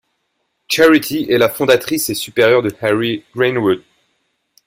Charity est la fondatrice et supérieure de Harry Greenwood.